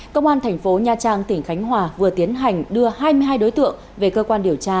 công an thành phố nha trang tỉnh khánh hòa vừa tiến hành đưa hai mươi hai đối tượng về cơ quan điều tra